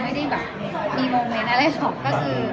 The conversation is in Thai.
ไม่ได้มีโมเมนท์อะไรหรอก